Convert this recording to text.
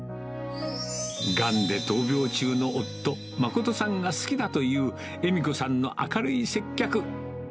がんで闘病中の夫、誠さんが好きだという恵美子さんの明るい接客。